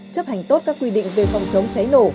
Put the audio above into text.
chấp hành tốt các quy định về phòng chống cháy nổ